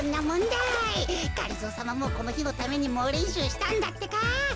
がりぞーさまもこのひのためにもうれんしゅうしたんだってか。